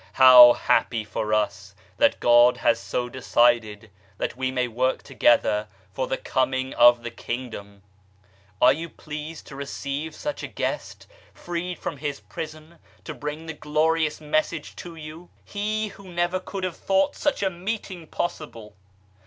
How happy for us that God has so decided that we may work together for the coming of the Kingdom ! Are you pleased to receive such a guest, freed from his prison to bring the glorious Message to you ? He who never could have thought such a meeting possible